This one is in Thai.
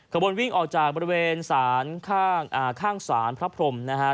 ขบวนวิ่งออกจากบริเวณศาลข้างศาลพระพรมนะฮะ